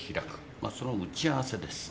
まあその打ち合わせですね。